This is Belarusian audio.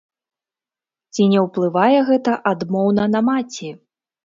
Ці не ўплывае гэта адмоўна на маці?